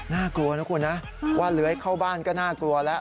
น่ากลัวนะคุณนะว่าเลื้อยเข้าบ้านก็น่ากลัวแล้ว